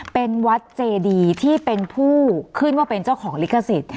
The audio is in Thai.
เป็นวัดเจดีที่เป็นผู้ขึ้นว่าเป็นเจ้าของลิขสิทธิ์